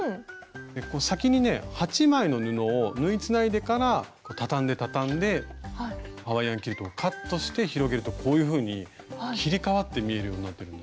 先にね８枚の布を縫いつないでから畳んで畳んでハワイアンキルトをカットして広げるとこういうふうに切り替わって見えるようになってるんですね。